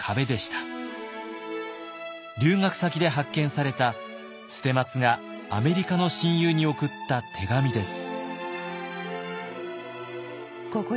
留学先で発見された捨松がアメリカの親友に送った手紙です。